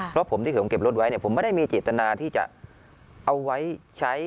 เพราะผมที่ผมเก็บรถไว้เนี่ยผมไม่ได้มีเจตนาที่จะเอาไว้ใช้